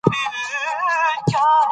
دښتې د افغانانو د تفریح یوه وسیله ده.